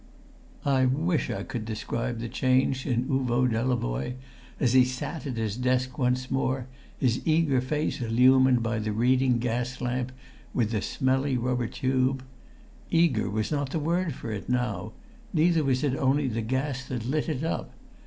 I wish I could describe the change in Uvo Delavoye as he sat at his desk once more, his eager face illumined by the reading gas lamp with the smelly rubber tube. Eager was not the word for it now, neither was it only the gas that lit it up.